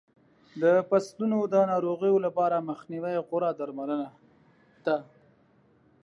د فصلونو د ناروغیو لپاره مخنیوی غوره درملنه ده.